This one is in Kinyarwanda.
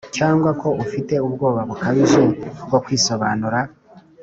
cyangwa ko ufite ubwoba bukabije bwo kwisobanura?